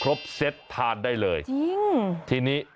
ครบเซตทาดได้เลยทีนี้จริง